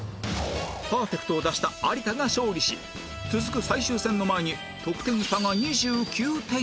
パーフェクトを出した有田が勝利し続く最終戦の前に得点差が２９点に